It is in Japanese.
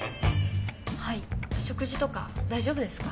はい食事とか大丈夫ですか？